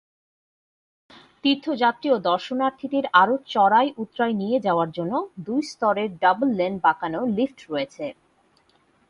তীর্থযাত্রী ও দর্শনার্থীদের আরও চড়াই-উৎরাই নিয়ে যাওয়ার জন্য দুই স্তরের ডাবল-লেন বাঁকানো লিফট রয়েছে।